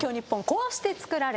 こうして作られた。